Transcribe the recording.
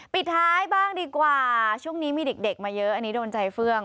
ปิดท้ายบ้างดีกว่าช่วงนี้มีเด็กมาเยอะอันนี้โดนใจเฟื่อง